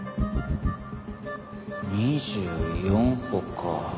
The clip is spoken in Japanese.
２４歩か。